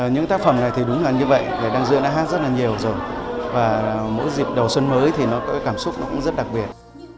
những tác phẩm này thì đúng là như vậy đăng dương đã hát rất là nhiều rồi và mỗi dịp đầu xuân mới thì nó có cảm xúc nó cũng rất đặc biệt